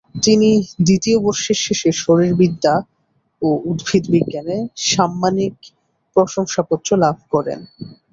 তিনি দ্বিতীয় বর্ষের শেষে শারীরবিদ্যা ও উদ্ভিদবিজ্ঞানে সাম্মানিক প্রশংসাপত্র লাভ করেন।